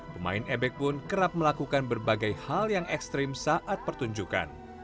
pemain ebek pun kerap melakukan berbagai hal yang ekstrim saat pertunjukan